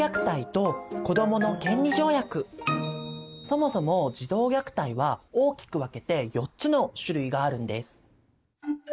そもそも児童虐待は大きく分けて４つの種類があるんです。